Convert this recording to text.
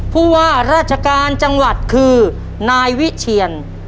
ผู้ว่าราชการจังหวัดคือนายวิเชียน